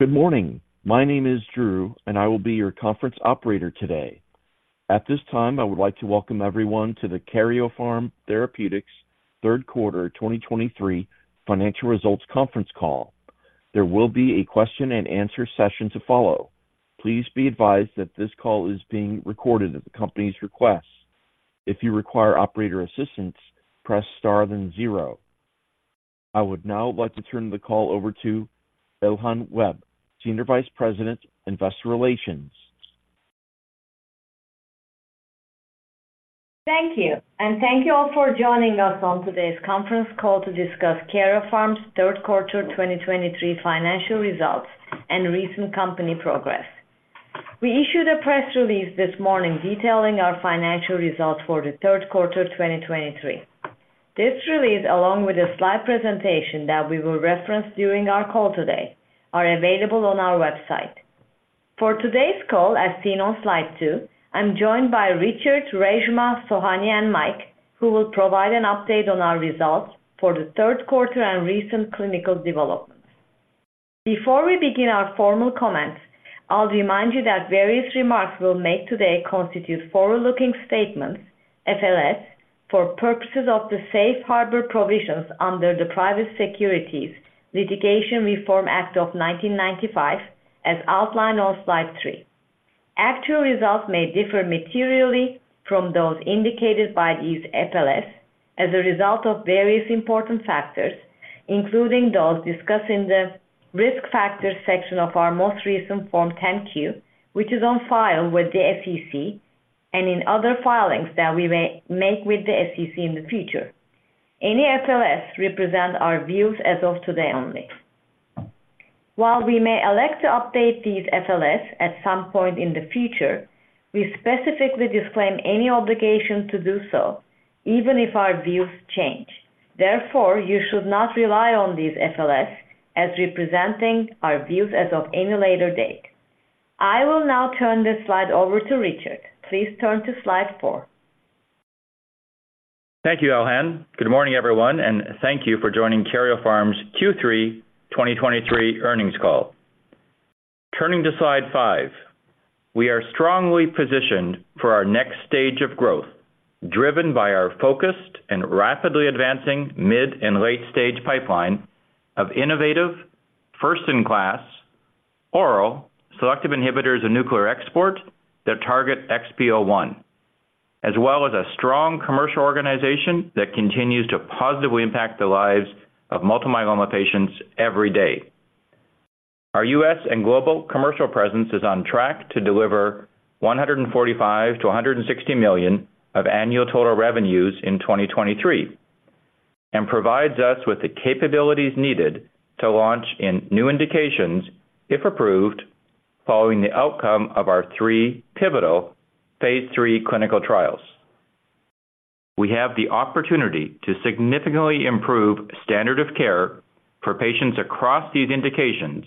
Good morning. My name is Drew, and I will be your conference operator today. At this time, I would like to welcome everyone to the Karyopharm Therapeutics Third Quarter 2023 Financial Results Conference Call. There will be a question-and-answer session to follow. Please be advised that this call is being recorded at the company's request. If you require operator assistance, press Star then zero. I would now like to turn the call over to Elhan Webb, Senior Vice President, Investor Relations. Thank you, and thank you all for joining us on today's conference call to discuss Karyopharm's Third Quarter 2023 Financial Results and recent company progress. We issued a press release this morning detailing our financial results for the third quarter 2023. This release, along with a slide presentation that we will reference during our call today, are available on our website. For today's call, as seen on slide two, I'm joined by Richard, Reshma, Sohanya, and Mike, who will provide an update on our results for the third quarter and recent clinical developments. Before we begin our formal comments, I'll remind you that various remarks we'll make today constitute forward-looking statements, FLS, for purposes of the Safe Harbor Provisions under the Private Securities Litigation Reform Act of 1995, as outlined on slide three. Actual results may differ materially from those indicated by these FLS as a result of various important factors, including those discussed in the risk factors section of our most recent Form 10-Q, which is on file with the SEC, and in other filings that we may make with the SEC in the future. Any FLS represent our views as of today only. While we may elect to update these FLS at some point in the future, we specifically disclaim any obligation to do so, even if our views change. Therefore, you should not rely on these FLS as representing our views as of any later date. I will now turn this slide over to Richard. Please turn to slide four. Thank you, Elhan. Good morning, everyone, and thank you for joining Karyopharm's Q3 2023 earnings call. Turning to slide five. We are strongly positioned for our next stage of growth, driven by our focused and rapidly advancing mid- and late-stage pipeline of innovative, first-in-class, oral, selective inhibitors of nuclear export that target XPO1, as well as a strong commercial organization that continues to positively impact the lives of multiple myeloma patients every day. Our U.S. and global commercial presence is on track to deliver $145 million-$160 million of annual total revenues in 2023, and provides us with the capabilities needed to launch in new indications, if approved, following the outcome of our three pivotal phase III clinical trials. We have the opportunity to significantly improve standard of care for patients across these indications,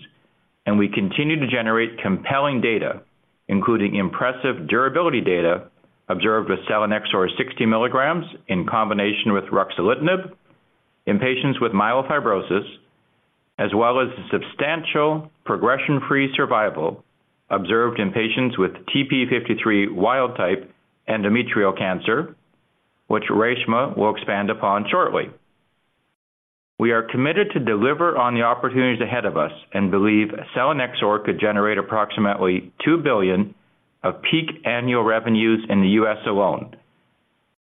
and we continue to generate compelling data, including impressive durability data observed with selinexor 60 mg in combination with ruxolitinib in patients with myelofibrosis, as well as the substantial progression-free survival observed in patients with TP53 wild-type endometrial cancer, which Reshma will expand upon shortly. We are committed to deliver on the opportunities ahead of us and believe selinexor could generate approximately $2 billion of peak annual revenues in the U.S. alone.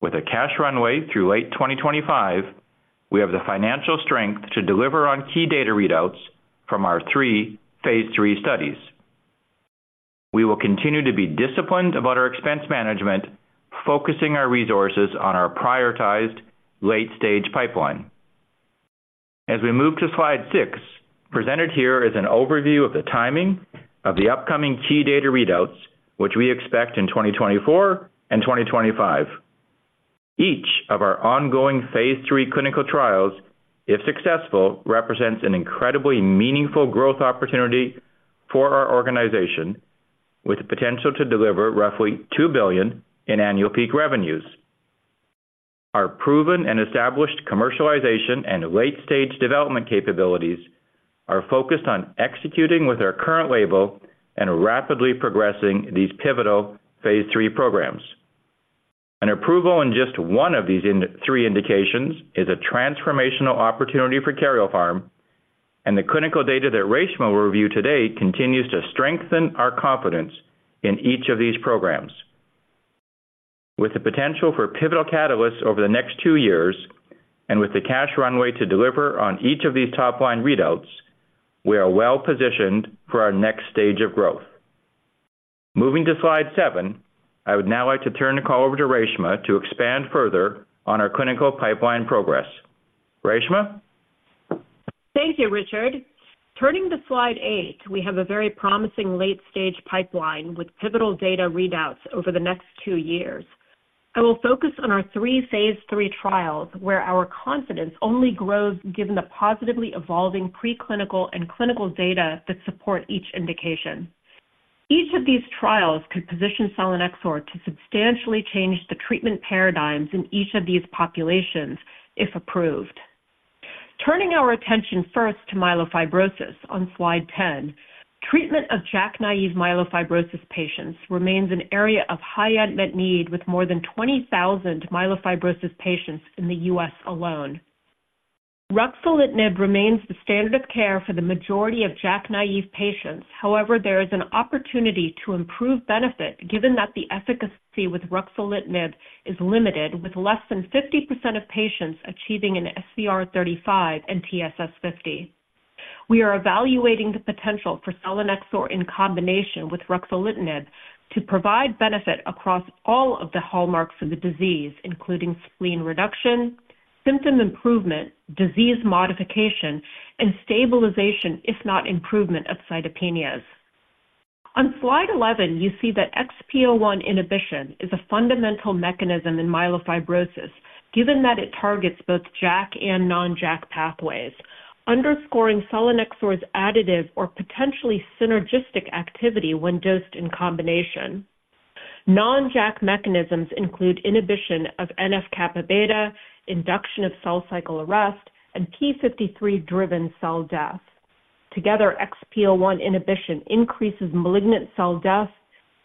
With a cash runway through late 2025, we have the financial strength to deliver on key data readouts from our three phase III studies. We will continue to be disciplined about our expense management, focusing our resources on our prioritized late-stage pipeline. As we move to slide six, presented here is an overview of the timing of the upcoming key data readouts, which we expect in 2024 and 2025. Each of our ongoing phase III clinical trials, if successful, represents an incredibly meaningful growth opportunity for our organization, with the potential to deliver roughly $2 billion in annual peak revenues. Our proven and established commercialization and late-stage development capabilities are focused on executing with our current label and rapidly progressing these pivotal phase III programs. An approval in just one of these three indications is a transformational opportunity for Karyopharm, and the clinical data that Reshma will review today continues to strengthen our confidence in each of these programs. With the potential for pivotal catalysts over the next two years, and with the cash runway to deliver on each of these top-line readouts, we are well-positioned for our next stage of growth. Moving to slide seven, I would now like to turn the call over to Reshma to expand further on our clinical pipeline progress. Reshma? Thank you, Richard. Turning to slide eight, we have a very promising late-stage pipeline with pivotal data readouts over the next two years. I will focus on our three phase III trials, where our confidence only grows given the positively evolving preclinical and clinical data that support each indication. Each of these trials could position selinexor to substantially change the treatment paradigms in each of these populations if approved. Turning our attention first to myelofibrosis on slide 10, treatment of JAK-naive myelofibrosis patients remains an area of high unmet need, with more than 20,000 myelofibrosis patients in the U.S. alone. Ruxolitinib remains the standard of care for the majority of JAK-naive patients. However, there is an opportunity to improve benefit, given that the efficacy with ruxolitinib is limited, with less than 50% of patients achieving an SVR35 and TSS50. We are evaluating the potential for selinexor in combination with ruxolitinib to provide benefit across all of the hallmarks of the disease, including spleen reduction, symptom improvement, disease modification, and stabilization, if not improvement of cytopenias. On slide 11, you see that XPO1 inhibition is a fundamental mechanism in myelofibrosis, given that it targets both JAK and non-JAK pathways, underscoring selinexor's additive or potentially synergistic activity when dosed in combination. Non-JAK mechanisms include inhibition of NF-κB, induction of cell cycle arrest, and p53-driven cell death. Together, XPO1 inhibition increases malignant cell death,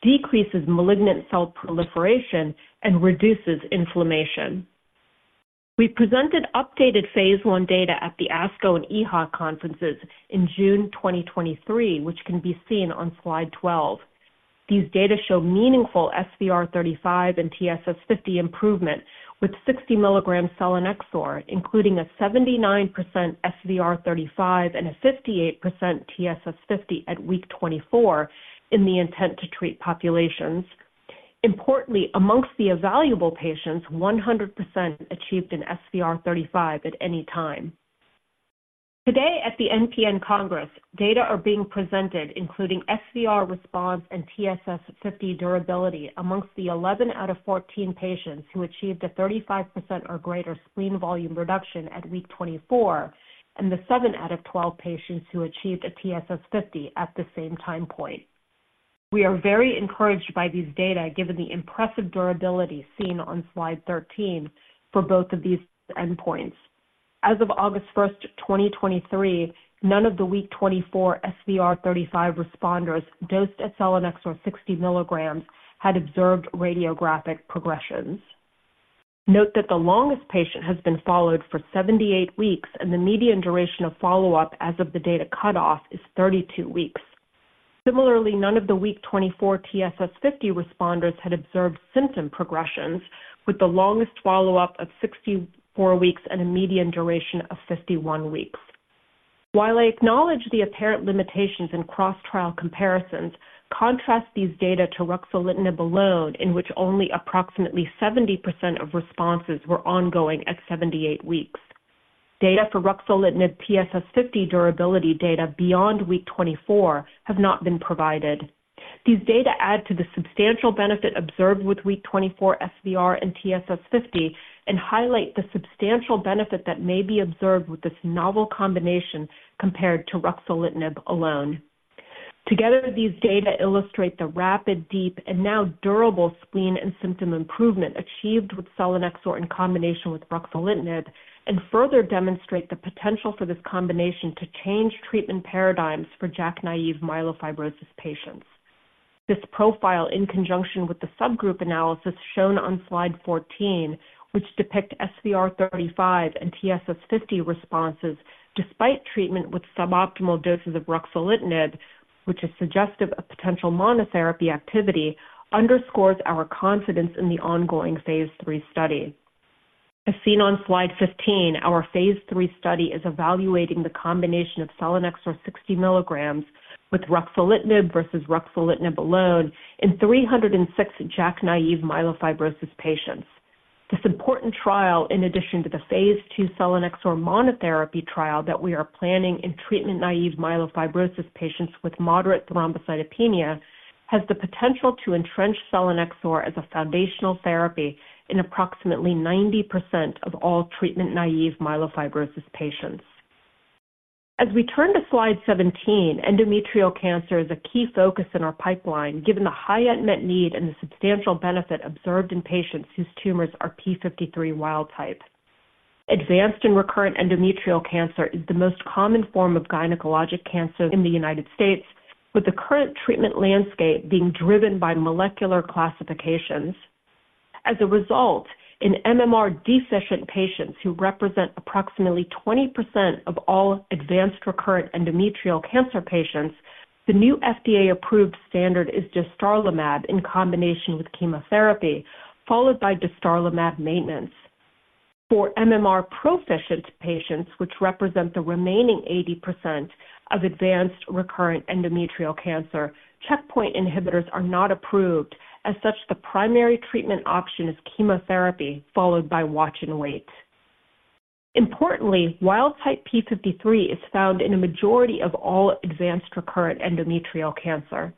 decreases malignant cell proliferation, and reduces inflammation. We presented updated phase I data at the ASCO and EHA conferences in June 2023, which can be seen on slide 12. These data show meaningful SVR35 and TSS50 improvement with 60 mg selinexor, including a 79% SVR35 and a 58% TSS50 at week 24 in the intent-to-treat populations. Importantly, among the evaluable patients, 100% achieved an SVR35 at any time. Today, at the MPN Congress, data are being presented including SVR response and TSS50 durability among the 11 out of 14 patients who achieved a 35% or greater spleen volume reduction at week 24 and the seven out of 12 patients who achieved a TSS50 at the same time point. We are very encouraged by these data, given the impressive durability seen on slide 13 for both of these endpoints. As of August 1st, 2023, none of the week 24 SVR35 responders dosed at selinexor 60 mg had observed radiographic progressions. Note that the longest patient has been followed for 78 weeks, and the median duration of follow-up as of the data cutoff is 32 weeks. Similarly, none of the week 24 TSS50 responders had observed symptom progressions, with the longest follow-up of 64 weeks and a median duration of 51 weeks. While I acknowledge the apparent limitations in cross-trial comparisons, contrast these data to ruxolitinib alone, in which only approximately 70% of responses were ongoing at 78 weeks. Data for ruxolitinib TSS50 durability data beyond week 24 have not been provided. These data add to the substantial benefit observed with week 24 SVR and TSS50 and highlight the substantial benefit that may be observed with this novel combination compared to ruxolitinib alone. Together, these data illustrate the rapid, deep, and now durable spleen and symptom improvement achieved with selinexor in combination with ruxolitinib and further demonstrate the potential for this combination to change treatment paradigms for JAK-naive myelofibrosis patients. This profile, in conjunction with the subgroup analysis shown on slide 14, which depict SVR35 and TSS50 responses despite treatment with suboptimal doses of ruxolitinib, which is suggestive of potential monotherapy activity, underscores our confidence in the ongoing phase III study. As seen on slide 15, our phase III study is evaluating the combination of selinexor 60 mg with ruxolitinib versus ruxolitinib alone in 306 JAK-naive myelofibrosis patients. This important trial, in addition to the phase II selinexor monotherapy trial that we are planning in treatment-naive myelofibrosis patients with moderate thrombocytopenia, has the potential to entrench selinexor as a foundational therapy in approximately 90% of all treatment-naive myelofibrosis patients. As we turn to slide 17, endometrial cancer is a key focus in our pipeline, given the high unmet need and the substantial benefit observed in patients whose tumors are p53 wild-type. Advanced and recurrent endometrial cancer is the most common form of gynecologic cancer in the United States, with the current treatment landscape being driven by molecular classifications. As a result, in MMR deficient patients, who represent approximately 20% of all advanced recurrent endometrial cancer patients, the new FDA-approved standard is dostarlimab in combination with chemotherapy, followed by dostarlimab maintenance. For MMR proficient patients, which represent the remaining 80% of advanced recurrent endometrial cancer, checkpoint inhibitors are not approved. As such, the primary treatment option is chemotherapy, followed by watch and wait. Importantly, wild-type p53 is found in a majority of all advanced recurrent endometrial cancer.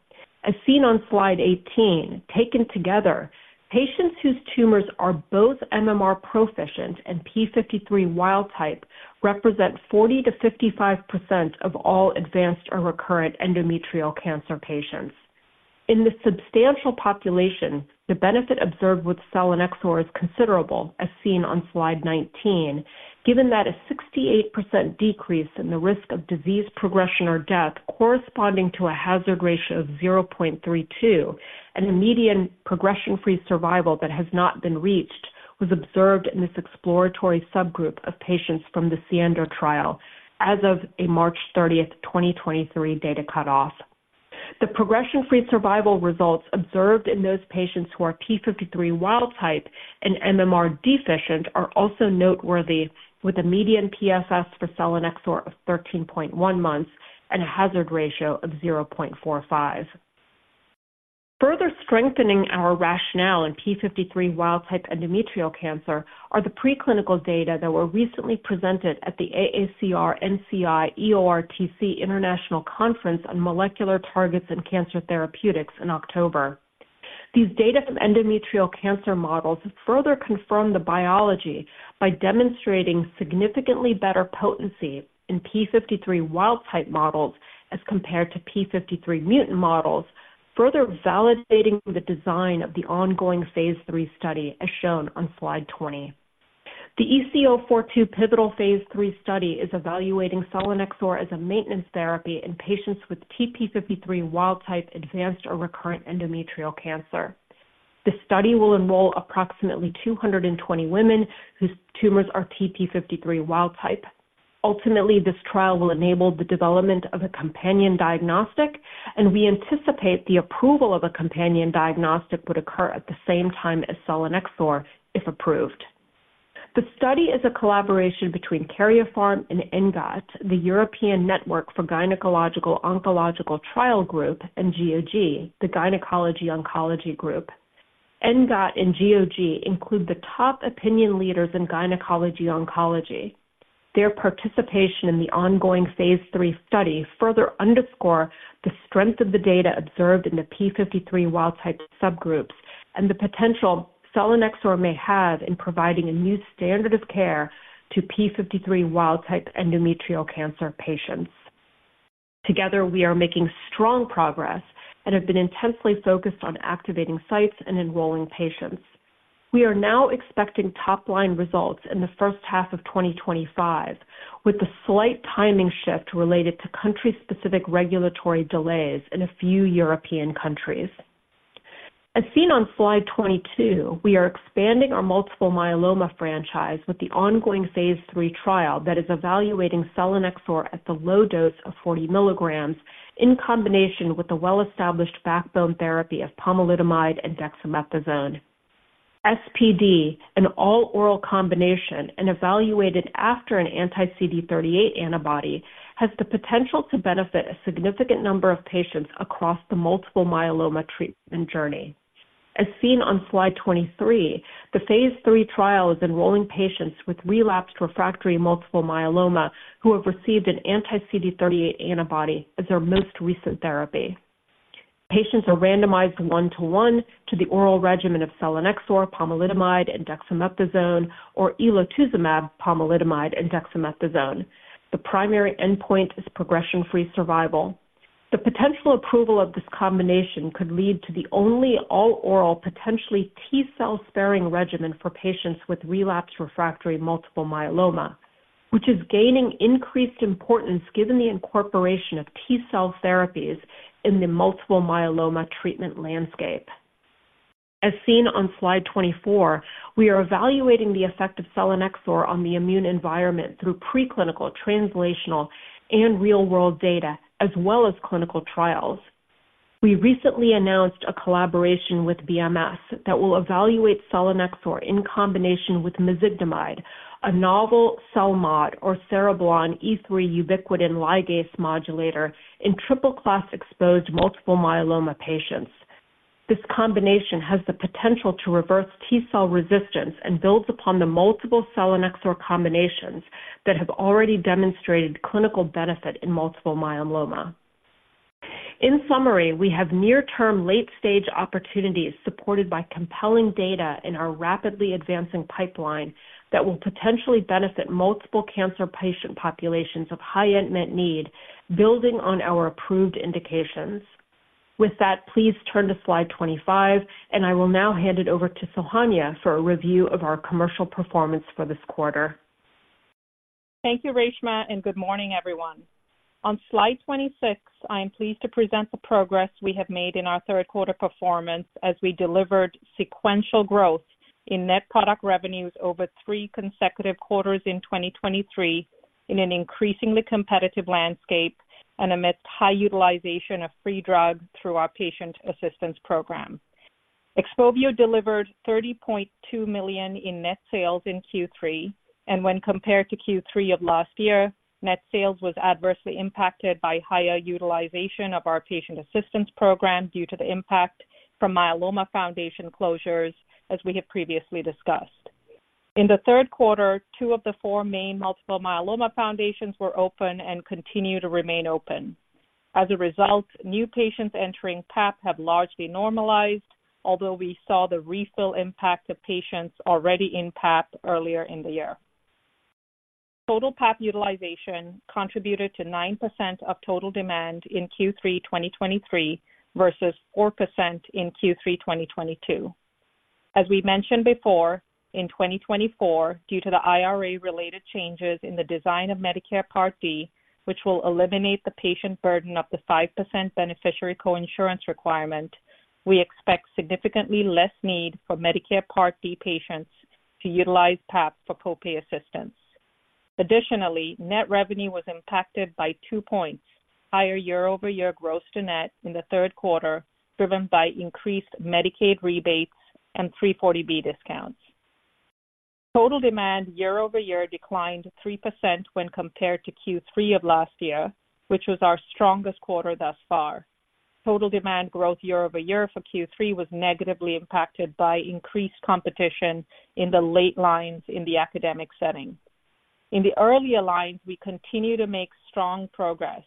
As seen on slide 18, taken together, patients whose tumors are both MMR proficient and p53 wild-type represent 40%-55% of all advanced or recurrent endometrial cancer patients. In this substantial population, the benefit observed with selinexor is considerable, as seen on slide 19, given that a 68% decrease in the risk of disease progression or death corresponding to a hazard ratio of 0.32 and a median progression-free survival that has not been reached, was observed in this exploratory subgroup of patients from the SIENDO trial as of a March 30th, 2023 data cutoff. The progression-free survival results observed in those patients who are p53 wild-type and MMR deficient are also noteworthy, with a median PFS for selinexor of 13.1 months and a hazard ratio of 0.45. Further strengthening our rationale p53 wild-type endometrial cancer are the preclinical data that were recently presented at the AACR-NCI-EORTC International Conference on Molecular Targets and Cancer Therapeutics in October. These data from endometrial cancer models further confirm the biology by demonstrating significantly better potency p53 wild-type models as compared to p53 mutant models, further validating the design of the ongoing phase III study, as shown on slide 20. The EC-042 pivotal phase III study is evaluating selinexor as a maintenance therapy in patients with p53 wild-type, advanced or recurrent endometrial cancer. The study will enroll approximately 220 women whose tumors are TP53 wild-type. Ultimately, this trial will enable the development of a companion diagnostic, and we anticipate the approval of a companion diagnostic would occur at the same time as selinexor, if approved. The study is a collaboration between Karyopharm and ENGOT, the European Network for Gynecological Oncological Trial group, and GOG, the Gynecologic Oncology Group. ENGOT and GOG include the top opinion leaders in gynecologic oncology. Their participation in the ongoing phase III study further underscore the strength of the data observed in the p53 wild-type subgroups and the potential selinexor may have in providing a new standard of care to p53 wild-type endometrial cancer patients. Together, we are making strong progress and have been intensely focused on activating sites and enrolling patients. We are now expecting top-line results in the first half of 2025, with a slight timing shift related to country-specific regulatory delays in a few European countries. As seen on slide 22, we are expanding our multiple myeloma franchise with the ongoing phase III trial that is evaluating selinexor at the low dose of 40 mg in combination with the well-established backbone therapy of pomalidomide and dexamethasone. SPd, an all-oral combination and evaluated after an anti-CD38 antibody, has the potential to benefit a significant number of patients across the multiple myeloma treatment journey. As seen on slide 23, the phase III trial is enrolling patients with relapsed refractory multiple myeloma who have received an anti-CD38 antibody as their most recent therapy. Patients are randomized 1:1 to the oral regimen of selinexor, pomalidomide, and dexamethasone or elotuzumab, pomalidomide, and dexamethasone. The primary endpoint is progression-free survival. The potential approval of this combination could lead to the only all-oral, potentially T-cell sparing regimen for patients with relapsed refractory multiple myeloma, which is gaining increased importance given the incorporation of T-cell therapies in the multiple myeloma treatment landscape. As seen on slide 24, we are evaluating the effect of selinexor on the immune environment through preclinical, translational, and real-world data, as well as clinical trials. We recently announced a collaboration with BMS that will evaluate selinexor in combination with mezigdomide, a novel CELMoD or cereblon E3 ubiquitin ligase modulator in triple-class-exposed multiple myeloma patients. This combination has the potential to reverse T-cell resistance and builds upon the multiple selinexor combinations that have already demonstrated clinical benefit in multiple myeloma. In summary, we have near-term, late-stage opportunities supported by compelling data in our rapidly advancing pipeline that will potentially benefit multiple cancer patient populations of high unmet need, building on our approved indications. With that, please turn to slide 25, and I will now hand it over to Sohanya for a review of our commercial performance for this quarter. Thank you, Reshma, and good morning, everyone. On slide 26, I am pleased to present the progress we have made in our third quarter performance as we delivered sequential growth in net product revenues over three consecutive quarters in 2023, in an increasingly competitive landscape and amidst high utilization of free drug through our patient assistance program. XPOVIO delivered $30.2 million in net sales in Q3, and when compared to Q3 of last year, net sales was adversely impacted by higher utilization of our patient assistance program due to the impact from myeloma foundation closures, as we have previously discussed. In the third quarter, two of the four main multiple myeloma foundations were open and continue to remain open. As a result, new patients entering PAP have largely normalized, although we saw the refill impact of patients already in PAP earlier in the year. Total PAP utilization contributed to 9% of total demand in Q3 2023, versus 4% in Q3 2022. As we mentioned before, in 2024, due to the IRA-related changes in the design of Medicare Part D, which will eliminate the patient burden of the 5% beneficiary coinsurance requirement, we expect significantly less need for Medicare Part D patients to utilize PAP for copay assistance. Additionally, net revenue was impacted by two points, higher year-over-year gross to net in the third quarter, driven by increased Medicaid rebates and 340B discounts. Total demand year-over-year declined 3% when compared to Q3 of last year, which was our strongest quarter thus far. Total demand growth year-over-year for Q3 was negatively impacted by increased competition in the late lines in the academic setting. In the earlier lines, we continue to make strong progress.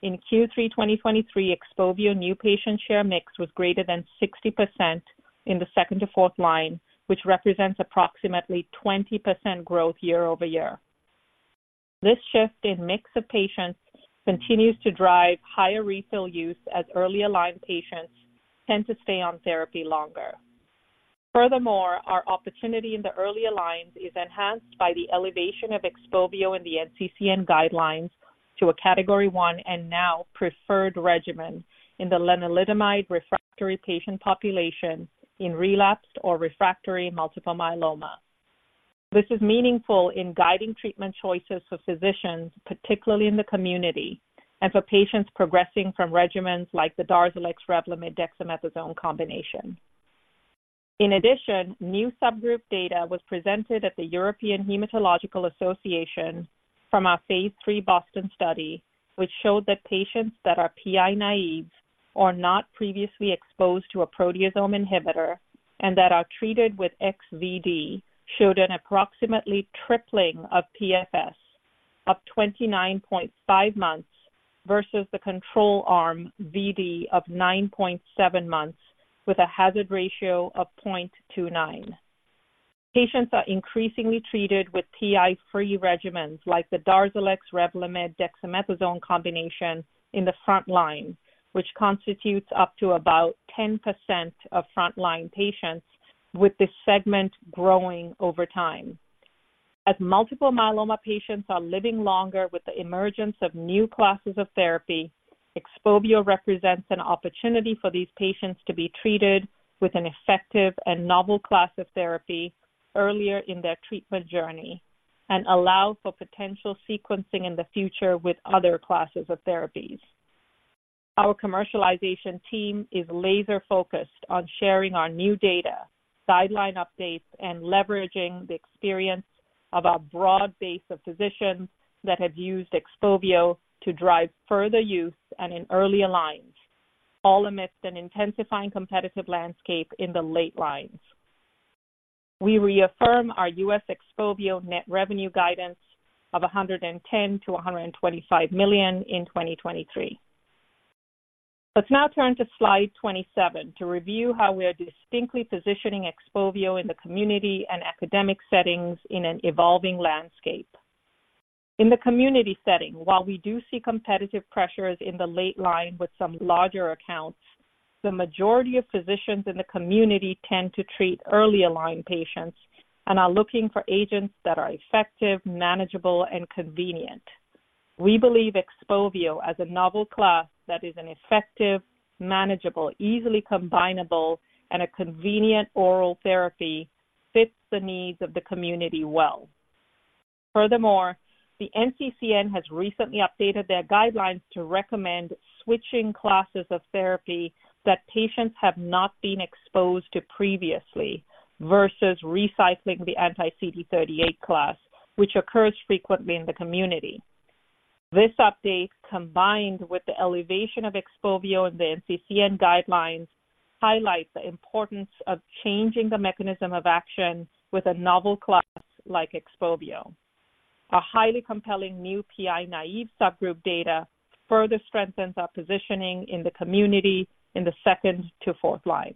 In Q3 2023, XPOVIO new patient share mix was greater than 60% in the second- to fourth-line, which represents approximately 20% growth year-over-year. This shift in mix of patients continues to drive higher refill use, as earlier line patients tend to stay on therapy longer. Furthermore, our opportunity in the earlier lines is enhanced by the elevation of XPOVIO and the NCCN guidelines to a Category 1 and now preferred regimen in the lenalidomide-refractory patient population in relapsed or refractory multiple myeloma. This is meaningful in guiding treatment choices for physicians, particularly in the community, and for patients progressing from regimens like the Darzalex, Revlimid, dexamethasone combination. In addition, new subgroup data was presented at the European Hematology Association from our phase III BOSTON study, which showed that patients that are PI naive or not previously exposed to a proteasome inhibitor and that are treated with XVd, showed an approximately tripling of PFS, up 29.5 months versus the control arm, Vd, of 9.7 months, with a hazard ratio of 0.29. Patients are increasingly treated with PI-free regimens like the Darzalex, Revlimid, dexamethasone combination in the frontline, which constitutes up to about 10% of frontline patients, with this segment growing over time. As multiple myeloma patients are living longer with the emergence of new classes of therapy, XPOVIO represents an opportunity for these patients to be treated with an effective and novel class of therapy earlier in their treatment journey and allow for potential sequencing in the future with other classes of therapies. Our commercialization team is laser-focused on sharing our new data, guideline updates, and leveraging the experience of our broad base of physicians that have used XPOVIO to drive further use and in earlier lines, all amidst an intensifying competitive landscape in the late lines. We reaffirm our U.S. XPOVIO net revenue guidance of $110 million-$125 million in 2023. Let's now turn to Slide 27 to review how we are distinctly positioning XPOVIO in the community and academic settings in an evolving landscape. In the community setting, while we do see competitive pressures in the late line with some larger accounts, the majority of physicians in the community tend to treat earlier line patients and are looking for agents that are effective, manageable, and convenient. We believe XPOVIO, as a novel class that is an effective, manageable, easily combinable, and a convenient oral therapy, fits the needs of the community well. Furthermore, the NCCN has recently updated their guidelines to recommend switching classes of therapy that patients have not been exposed to previously, versus recycling the anti-CD38 class, which occurs frequently in the community. This update, combined with the elevation of XPOVIO in the NCCN guidelines, highlights the importance of changing the mechanism of action with a novel class like XPOVIO. A highly compelling new PI-naive subgroup data further strengthens our positioning in the community in the second to fourth line.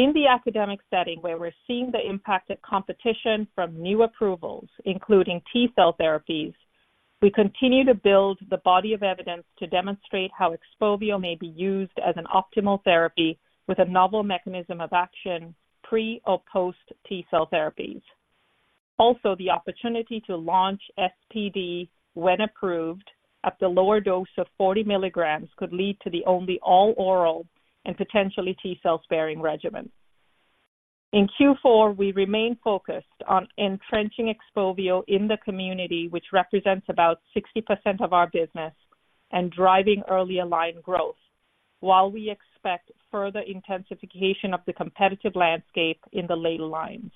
In the academic setting, where we're seeing the impact of competition from new approvals, including T-cell therapies, we continue to build the body of evidence to demonstrate how XPOVIO may be used as an optimal therapy with a novel mechanism of action, pre or post T-cell therapies. Also, the opportunity to launch SPd, when approved, at the lower dose of 40 mg, could lead to the only all-oral and potentially T-cell sparing regimen. In Q4, we remain focused on entrenching XPOVIO in the community, which represents about 60% of our business, and driving earlier line growth, while we expect further intensification of the competitive landscape in the later lines.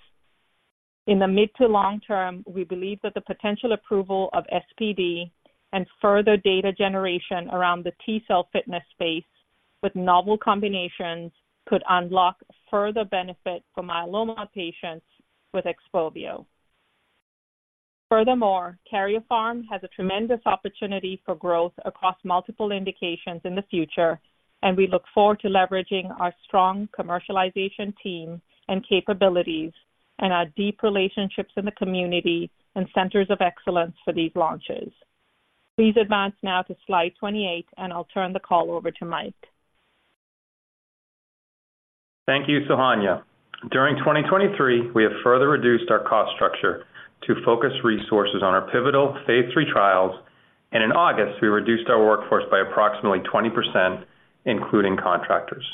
In the mid to long term, we believe that the potential approval of SPd and further data generation around the T-cell fitness space with novel combinations could unlock further benefit for myeloma patients with XPOVIO.... Furthermore, Karyopharm has a tremendous opportunity for growth across multiple indications in the future, and we look forward to leveraging our strong commercialization team and capabilities and our deep relationships in the community and centers of excellence for these launches. Please advance now to slide 28, and I'll turn the call over to Mike. Thank you, Sohanya. During 2023, we have further reduced our cost structure to focus resources on our pivotal phase III trials, and in August, we reduced our workforce by approximately 20%, including contractors.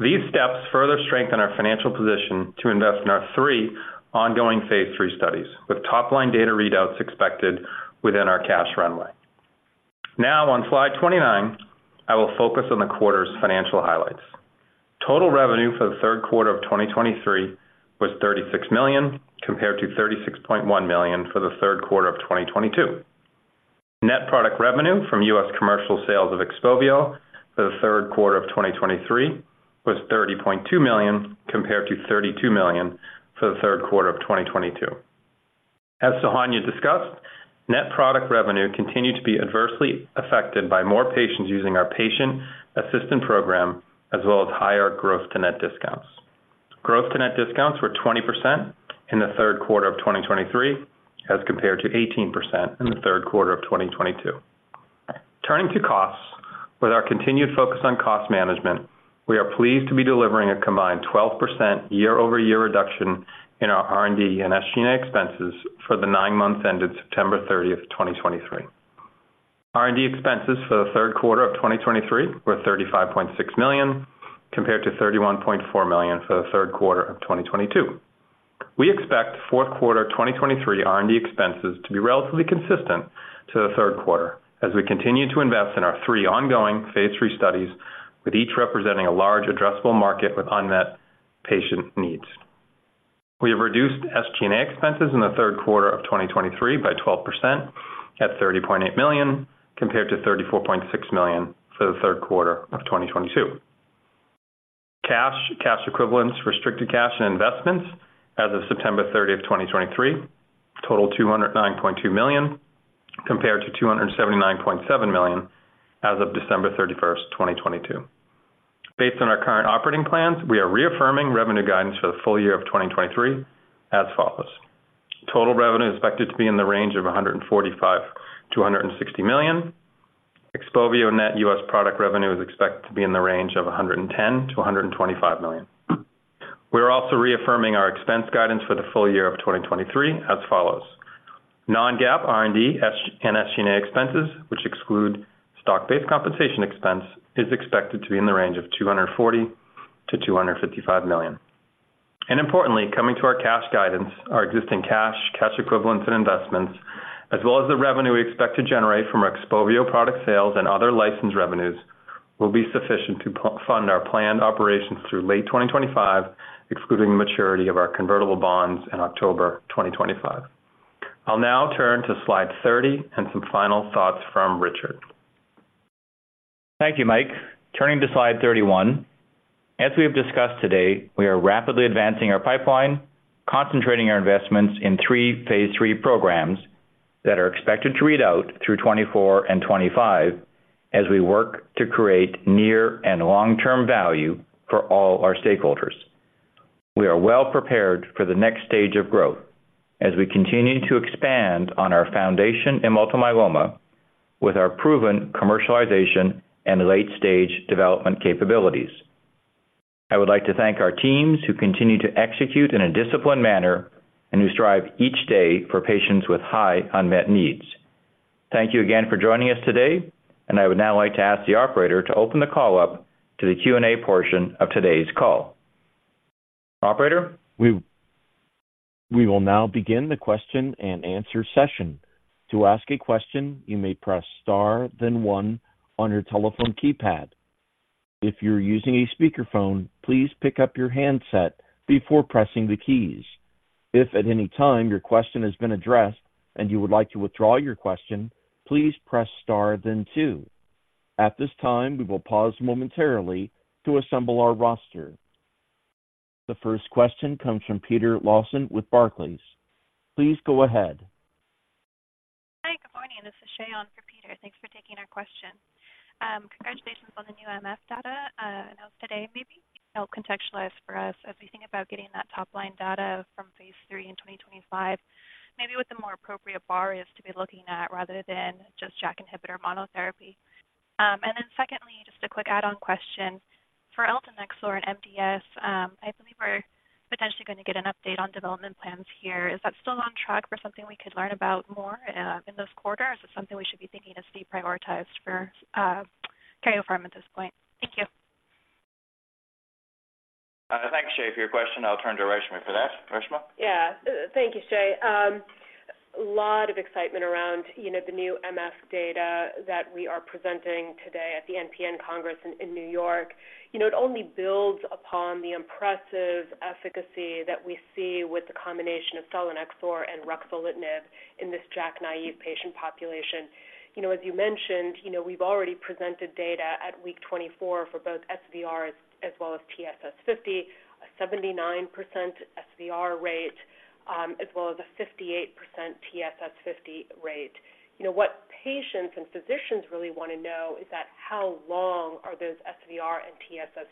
These steps further strengthen our financial position to invest in our three ongoing phase III studies, with top-line data readouts expected within our cash runway. Now on slide 29, I will focus on the quarter's financial highlights. Total revenue for the third quarter of 2023 was $36 million, compared to $36.1 million for the third quarter of 2022. Net product revenue from U.S. commercial sales of XPOVIO for the third quarter of 2023 was $30.2 million, compared to $32 million for the third quarter of 2022. As Sohanya discussed, net product revenue continued to be adversely affected by more patients using our patient assistance program, as well as higher gross to net discounts. Gross to net discounts were 20% in the third quarter of 2023, as compared to 18% in the third quarter of 2022. Turning to costs, with our continued focus on cost management, we are pleased to be delivering a combined 12% year-over-year reduction in our R&D and SG&A expenses for the nine months ended September 30th, 2023. R&D expenses for the third quarter of 2023 were $35.6 million, compared to $31.4 million for the third quarter of 2022. We expect fourth quarter 2023 R&D expenses to be relatively consistent to the third quarter as we continue to invest in our three ongoing phase III studies, with each representing a large addressable market with unmet patient needs. We have reduced SG&A expenses in the third quarter of 2023 by 12%, at $30.8 million, compared to $34.6 million for the third quarter of 2022. Cash, cash equivalents, restricted cash and investments as of September 30, 2023, total $209.2 million, compared to $279.7 million as of December 31st, 2022. Based on our current operating plans, we are reaffirming revenue guidance for the full year of 2023 as follows: Total revenue is expected to be in the range of $145 million-$160 million. XPOVIO net U.S. product revenue is expected to be in the range of $110 million-$125 million. We are also reaffirming our expense guidance for the full year of 2023 as follows: Non-GAAP, R&D and SG&A expenses, which exclude stock-based compensation expense, is expected to be in the range of $240 million-$255 million. And importantly, coming to our cash guidance, our existing cash, cash equivalents and investments, as well as the revenue we expect to generate from our XPOVIO product sales and other licensed revenues, will be sufficient to fund our planned operations through late 2025, excluding the maturity of our convertible bonds in October 2025. I'll now turn to slide 30 and some final thoughts from Richard. Thank you, Mike. Turning to slide 31. As we have discussed today, we are rapidly advancing our pipeline, concentrating our investments in three phase III programs that are expected to read out through 2024 and 2025 as we work to create near and long-term value for all our stakeholders. We are well prepared for the next stage of growth as we continue to expand on our foundation in multiple myeloma with our proven commercialization and late-stage development capabilities. I would like to thank our teams who continue to execute in a disciplined manner and who strive each day for patients with high unmet needs. Thank you again for joining us today, and I would now like to ask the operator to open the call up to the Q&A portion of today's call. Operator? We will now begin the question and answer session. To ask a question, you may press Star, then one on your telephone keypad. If you're using a speakerphone, please pick up your handset before pressing the keys. If at any time your question has been addressed and you would like to withdraw your question, please press Star then two. At this time, we will pause momentarily to assemble our roster. The first question comes from Peter Lawson with Barclays. Please go ahead. Hi, good morning. This is Shea on for Peter. Thanks for taking our question. Congratulations on the new MF data, announced today. Maybe help contextualize for us as we think about getting that top-line data from phase III in 2025, maybe what the more appropriate bar is to be looking at rather than just JAK inhibitor monotherapy. And then secondly, just a quick add-on question. For eltanexor in MDS, I believe we're potentially going to get an update on development plans here. Is that still on track for something we could learn about more, in this quarter? Is it something we should be thinking is deprioritized for, Karyopharm at this point? Thank you. Thanks, Shea, for your question. I'll turn to Reshma for that. Reshma? Yeah. Thank you, Shea. ...A lot of excitement around, you know, the new MF data that we are presenting today at the MPN Congress in, in New York. You know, it only builds upon the impressive efficacy that we see with the combination of selinexor and ruxolitinib in this JAK-naive patient population. You know, as you mentioned, you know, we've already presented data at week 24 for both SVR as well as TSS50, a 79% SVR rate, as well as a 58% TSS50 rate. You know, what patients and physicians really want to know is that how long are those SVR and TSS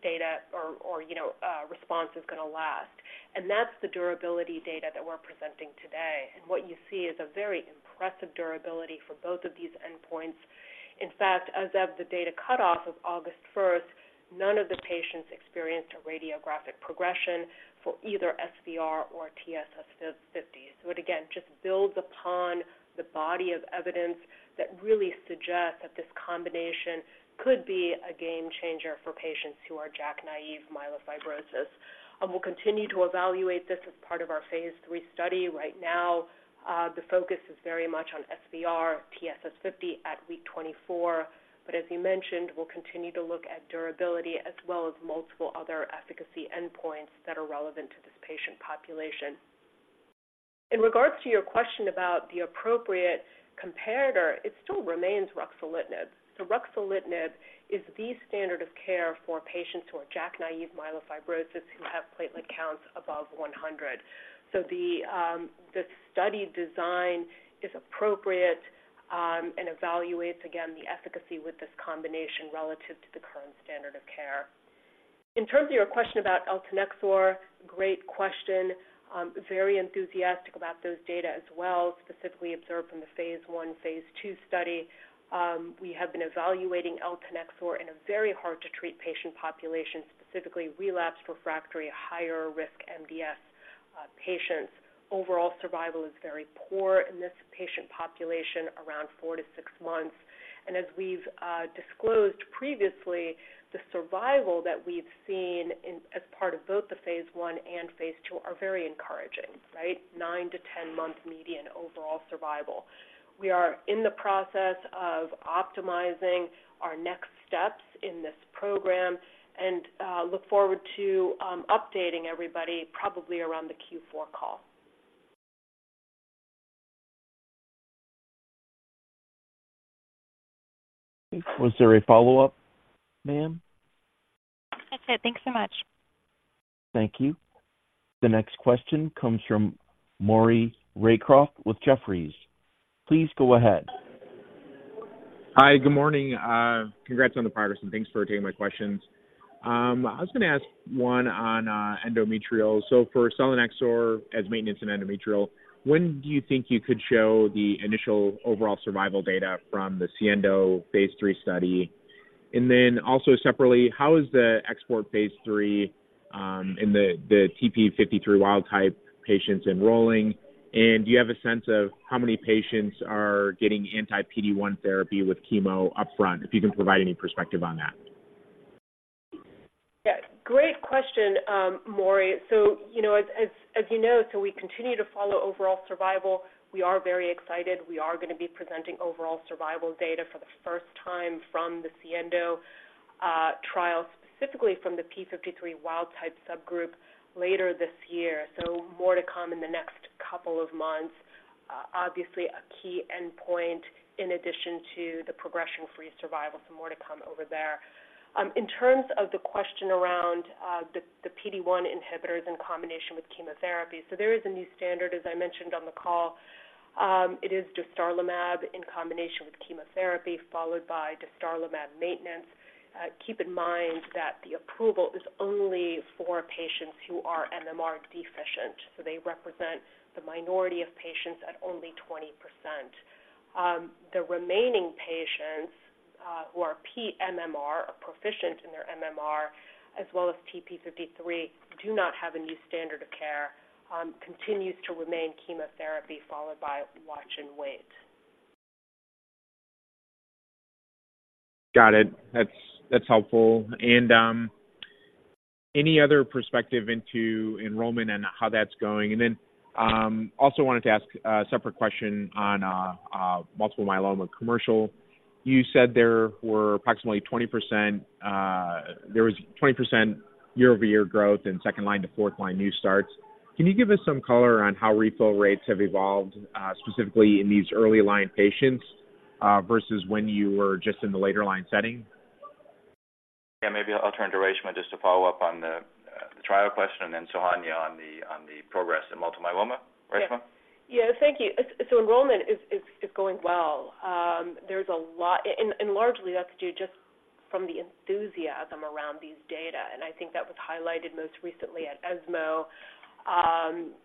data or, or, you know, response is going to last, and that's the durability data that we're presenting today. And what you see is a very impressive durability for both of these endpoints. In fact, as of the data cutoff of August 1st, none of the patients experienced a radiographic progression for either SVR or TSS50. So it again, just builds upon the body of evidence that really suggests that this combination could be a game changer for patients who are JAK-naive myelofibrosis. And we'll continue to evaluate this as part of our phase III study. Right now, the focus is very much on SVR, TSS50 at week 24. But as you mentioned, we'll continue to look at durability as well as multiple other efficacy endpoints that are relevant to this patient population. In regards to your question about the appropriate comparator, it still remains ruxolitinib. So ruxolitinib is the standard of care for patients who are JAK-naive myelofibrosis, who have platelet counts above 100. So, the study design is appropriate and evaluates, again, the efficacy with this combination relative to the current standard of care. In terms of your question about eltanexor, great question. Very enthusiastic about those data as well, specifically observed from the phase I, phase II study. We have been evaluating eltanexor in a very hard-to-treat patient population, specifically relapsed refractory, higher-risk MDS patients. Overall survival is very poor in this patient population, around four to six months. And as we've disclosed previously, the survival that we've seen in, as part of both the phase I and phase II are very encouraging, right? 9-10-month median overall survival. We are in the process of optimizing our next steps in this program and look forward to updating everybody, probably around the Q4 call. Was there a follow-up, ma'am? That's it. Thanks so much. Thank you. The next question comes from Maury Raycroft with Jefferies. Please go ahead. Hi, good morning. Congrats on the progress, and thanks for taking my questions. I was going to ask one on endometrial. So, for selinexor as maintenance in endometrial, when do you think you could show the initial overall survival data from the SIENDO phase III study? And then also separately, how is the XPORT phase III in the TP53 wild-type patients enrolling? And do you have a sense of how many patients are getting anti-PD-1 therapy with chemo upfront? If you can provide any perspective on that. Yeah, great question, Maury. So, you know, as you know, so we continue to follow overall survival. We are very excited. We are going to be presenting overall survival data for the first time from the SIENDO trial, specifically from the p53 wild-type subgroup later this year. So more to come in the next couple of months. Obviously, a key endpoint in addition to the progression-free survival. So more to come over there. In terms of the question around the PD-1 inhibitors in combination with chemotherapy, so there is a new standard, as I mentioned, on the call. It is dostarlimab in combination with chemotherapy, followed by dostarlimab maintenance. Keep in mind that the approval is only for patients who are MMR deficient, so they represent the minority of patients at only 20%. The remaining patients, who are pMMR, are proficient in their MMR, as well as TP53, do not have a new standard of care, continues to remain chemotherapy, followed by watch and wait. Got it. That's, that's helpful. And, any other perspective into enrollment and how that's going? And then, also wanted to ask a separate question on, multiple myeloma commercial. You said there were approximately 20%, there was 20% year-over-year growth in second-line to fourth-line new starts. Can you give us some color on how refill rates have evolved, specifically in these early line patients, versus when you were just in the later line setting? Yeah, maybe I'll turn to Reshma just to follow up on the trial question and then Sohanya on the progress in multiple myeloma. Reshma? Yeah. Thank you. So enrollment is going well. There's a lot, and largely that's due just from the enthusiasm around these data, and I think that was highlighted most recently at ESMO,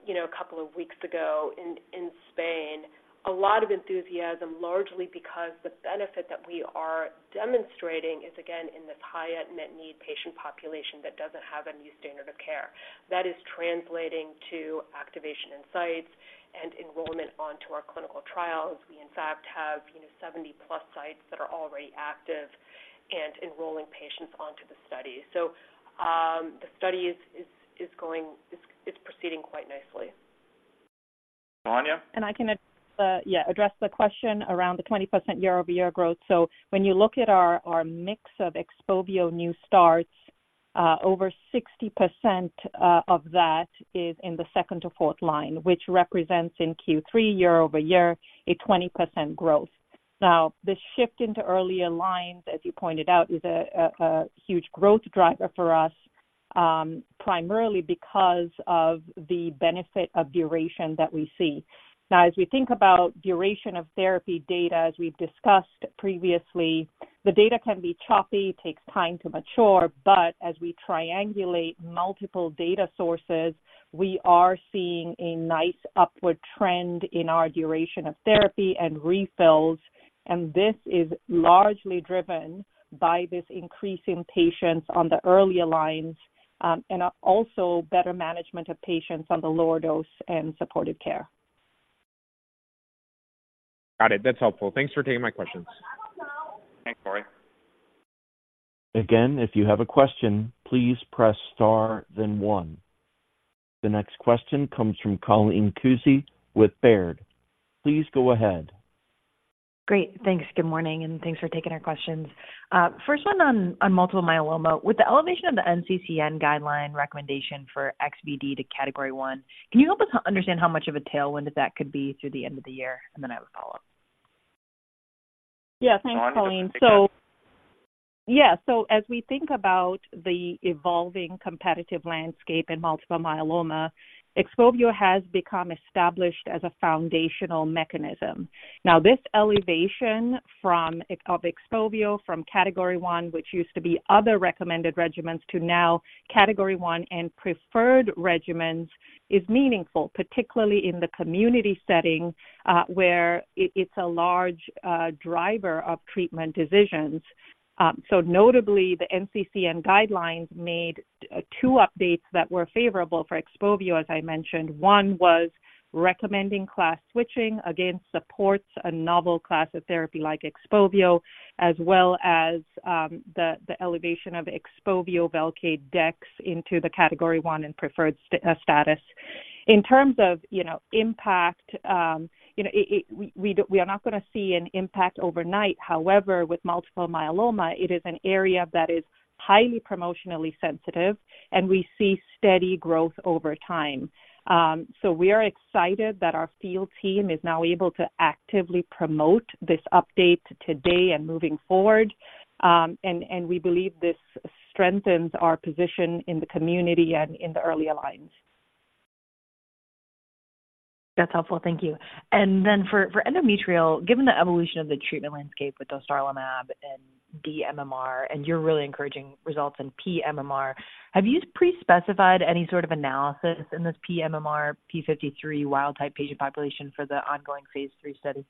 you know, a couple of weeks ago in Spain. A lot of enthusiasm, largely because the benefit that we are demonstrating is, again, in this high unmet need patient population that doesn't have a new standard of care. That is translating to activation in sites and enrollment onto our clinical trials. We, in fact, have 70+ sites that are already active and enrolling patients onto the study. So, the study is going. It's proceeding quite nicely. Sohanya? And I can, yeah, address the question around the 20% year-over-year growth. So when you look at our, our mix of XPOVIO new starts, over 60%, of that is in the second to fourth line, which represents in Q3 year-over-year, a 20% growth. Now, this shift into earlier lines, as you pointed out, is a huge growth driver for us, primarily because of the benefit of duration that we see. Now, as we think about duration of therapy data, as we've discussed previously, the data can be choppy, takes time to mature, but as we triangulate multiple data sources, we are seeing a nice upward trend in our duration of therapy and refills, and this is largely driven by this increase in patients on the earlier lines, and also better management of patients on the lower dose and supportive care. Got it. That's helpful. Thanks for taking my questions. Thanks, Maury. Again, if you have a question, please press Star then one. The next question comes from Colleen Kusy with Baird. Please go ahead. Great. Thanks. Good morning, and thanks for taking our questions. First one on multiple myeloma. With the elevation of the NCCN guideline recommendation for XVd to Category one, can you help us understand how much of a tailwind that could be through the end of the year? And then I have a follow-up. Yeah, thanks, Colleen. So yeah, so as we think about the evolving competitive landscape in multiple myeloma, XPOVIO has become established as a foundational mechanism. Now, this elevation from, of XPOVIO from Category one, which used to be other recommended regimens, to now Category one and preferred regimens, is meaningful, particularly in the community setting, where it, it's a large driver of treatment decisions. So notably, the NCCN guidelines made two updates that were favorable for XPOVIO, as I mentioned. One was recommending class switching. Again, supports a novel class of therapy like XPOVIO, as well as, the elevation of XPOVIO, Velcade, dex into the Category one and preferred status. In terms of, you know, impact, you know, it, we are not going to see an impact overnight. However, with multiple myeloma, it is an area that is highly promotionally sensitive, and we see steady growth over time. So we are excited that our field team is now able to actively promote this update today and moving forward. We believe this strengthens our position in the community and in the earlier lines. That's helpful. Thank you. And then for endometrial, given the evolution of the treatment landscape with dostarlimab and dMMR, and your really encouraging results in pMMR, have you pre-specified any sort of analysis in this p53 wild-type patient population for the ongoing phase III study?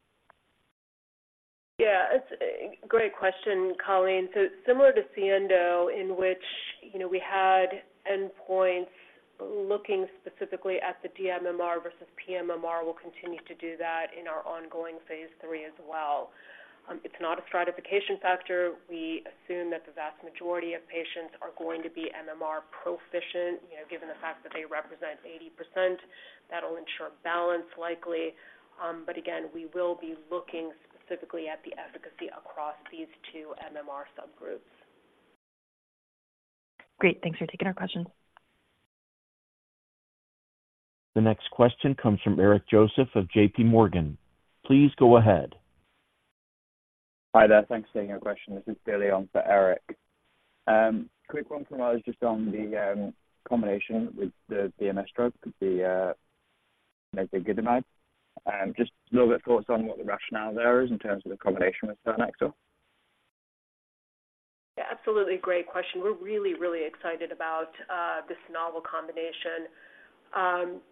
Yeah, it's a great question, Colleen. So similar to SIENDO, in which, you know, we had endpoints looking specifically at the dMMR versus pMMR, we'll continue to do that in our ongoing phase III as well. It's not a stratification factor. We assume that the vast majority of patients are going to be MMR proficient, you know, given the fact that they represent 80%. That'll ensure balance, likely. But again, we will be looking specifically at the efficacy across these two MMR subgroups. Great. Thanks for taking our question. The next question comes from Eric Joseph of JPMorgan. Please go ahead. Hi there. Thanks for taking our question. This is Bill on for Eric. Quick one from us, just on the combination with the BMS drug, the mezigdomide. Just a little bit thoughts on what the rationale there is in terms of the combination with selinexor? Yeah, absolutely. Great question. We're really, really excited about this novel combination.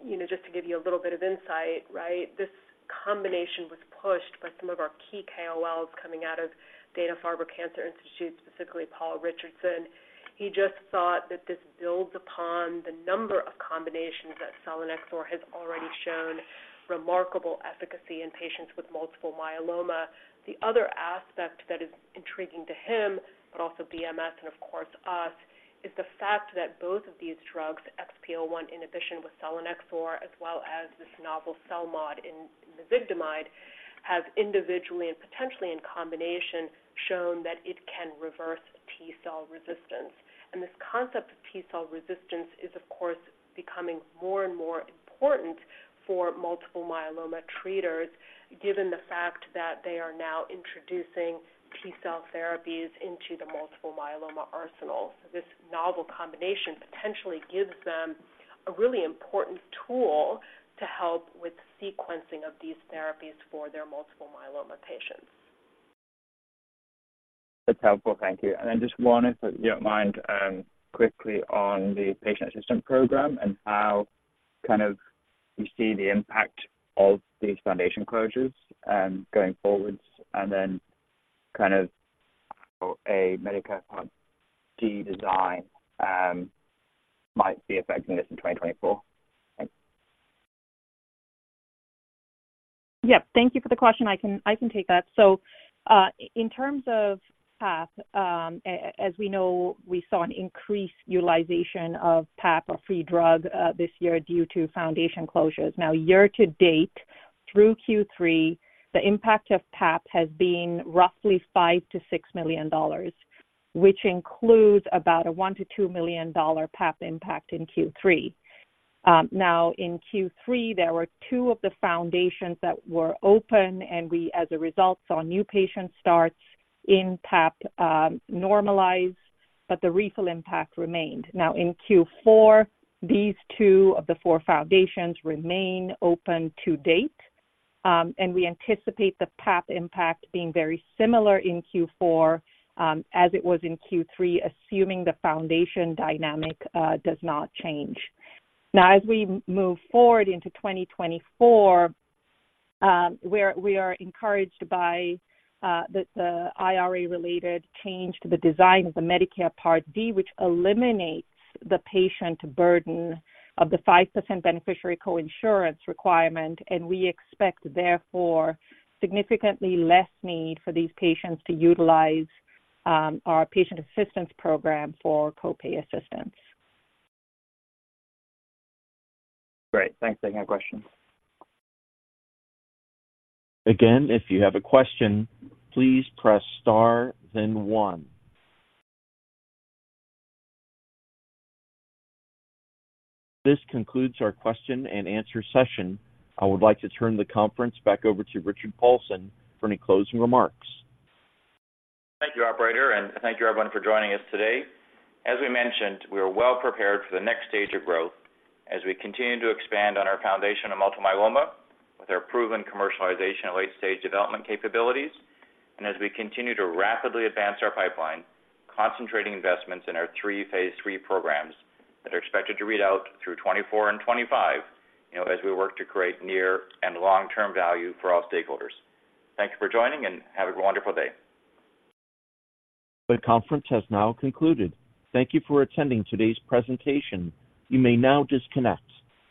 You know, just to give you a little bit of insight, right? This combination was pushed by some of our key KOLs coming out of Dana-Farber Cancer Institute, specifically Paul Richardson. He just thought that this builds upon the number of combinations that selinexor has already shown remarkable efficacy in patients with multiple myeloma. The other aspect that is intriguing to him, but also BMS and of course, us, is the fact that both of these drugs, XPO1 inhibitor with selinexor, as well as this novel CELMoD in mezigdomide, have individually and potentially in combination, shown that it can reverse T-cell resistance. This concept of T-cell resistance is, of course, becoming more and more important for multiple myeloma treaters, given the fact that they are now introducing T-cell therapies into the multiple myeloma arsenal. This novel combination potentially gives them a really important tool to help with sequencing of these therapies for their multiple myeloma patients. That's helpful. Thank you. And then just one, if you don't mind, quickly on the patient assistance program and how you kind of see the impact of these foundation closures, going forward, and then kind of how a Medicare Part D design might be affecting this in 2024? Thanks.... Yep, thank you for the question. I can, I can take that. So, in terms of PAP, as we know, we saw an increased utilization of PAP or free drug, this year due to foundation closures. Now, year to date, through Q3, the impact of PAP has been roughly $5 million-$6 million, which includes about a $1 million-$2 million PAP impact in Q3. Now, in Q3, there were two of the foundations that were open, and we, as a result, saw new patient starts in PAP, normalize, but the refill impact remained. Now, in Q4, these two of the four foundations remain open to date, and we anticipate the PAP impact being very similar in Q4, as it was in Q3, assuming the foundation dynamic, does not change. Now, as we move forward into 2024, we are encouraged by the IRA-related change to the design of the Medicare Part D, which eliminates the patient burden of the 5% beneficiary coinsurance requirement, and we expect, therefore, significantly less need for these patients to utilize our patient assistance program for copay assistance. Great. Thanks for taking my question. Again, if you have a question, please press star, then one. This concludes our question and answer session. I would like to turn the conference back over to Richard Paulson for any closing remarks. Thank you, operator, and thank you, everyone, for joining us today. As we mentioned, we are well prepared for the next stage of growth as we continue to expand on our foundation of multiple myeloma with our proven commercialization and late-stage development capabilities, and as we continue to rapidly advance our pipeline, concentrating investments in our three phase III programs that are expected to read out through 2024 and 2025, you know, as we work to create near and long-term value for all stakeholders. Thank you for joining, and have a wonderful day. The conference has now concluded. Thank you for attending today's presentation. You may now disconnect.